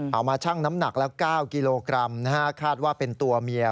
ชั่งน้ำหนักแล้ว๙กิโลกรัมคาดว่าเป็นตัวเมีย